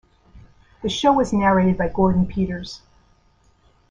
The show was narrated by Gordon Peters.